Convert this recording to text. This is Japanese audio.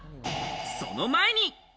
その前に。